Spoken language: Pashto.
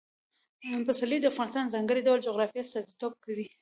پسرلی د افغانستان د ځانګړي ډول جغرافیه استازیتوب کوي.